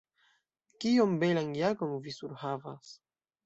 Kiom belan jakon vi surhavas.